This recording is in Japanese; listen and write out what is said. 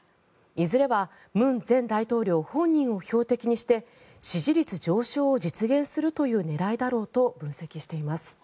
いずれは文前大統領本人を標的にして支持率上昇を実現するという狙いだろうと分析しています。